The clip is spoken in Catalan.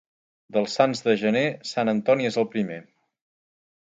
Dels sants de gener, Sant Antoni és el primer.